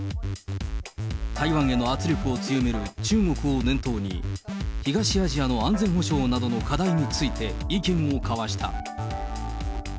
台湾への圧力を強める中国を念頭に、東アジアの安全保障などの課題について意見を交わした。